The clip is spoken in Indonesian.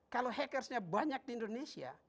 kalau hackersnya banyak di indonesia